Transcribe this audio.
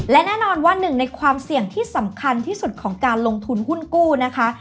และแน่นอนว่าหนึ่งในความเสี่ยงที่สำคัญที่สุดของการลงทุนหุ้นกู้นะคะ